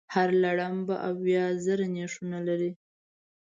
هر لړم به اویا زره نېښونه لري.